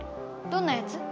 どんなやつ？